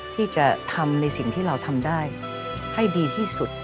ที่จะทำในสิ่งที่เราทำได้ให้ดีที่สุด